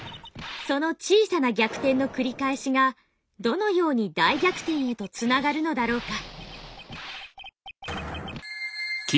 その小さな逆転の繰り返しがどのように「大逆転」へとつながるのだろうか？